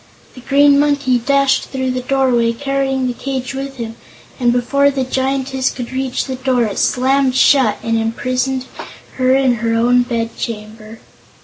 The Green Monkey dashed through the doorway, carrying the cage with him, and before the Giantess could reach the door it slammed shut and imprisoned her in her own bed chamber!